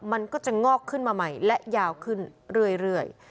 มันก็จะงอกขึ้นมาใหม่และยาวขึ้นเรื่อย